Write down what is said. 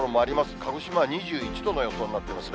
鹿児島は２１度の予想になっていますね。